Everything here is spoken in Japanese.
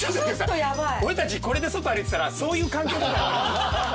俺たちこれで外歩いてたらそういう関係。